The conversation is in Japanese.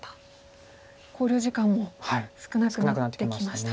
考慮時間も少なくなってきましたね。